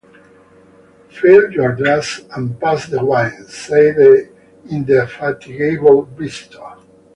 ‘Fill your glass, and pass the wine,’ said the indefatigable visitor.